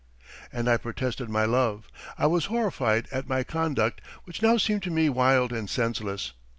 "And I protested my love. I was horrified at my conduct which now seemed to me wild and senseless.